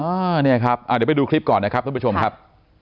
อ้าวนี่ครับเดี๋ยวไปดูคลิปก่อนนะครับทุกผู้ชมครับ